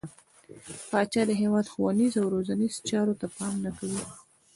پاچا د هيواد ښونيرو او روزنيزو چارو ته پام نه کوي.